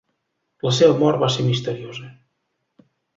La seva mort va ser misteriosa.